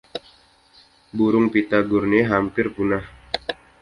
Burung Pitta Gurney hampir punah.